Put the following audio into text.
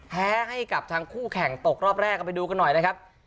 แพ้ให้กับทางคู่แข่งตกรอบแรกเอาไปดูกันหน่อยนะครับ